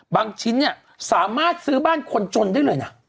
ชิ้นเนี่ยสามารถซื้อบ้านคนจนได้เลยนะ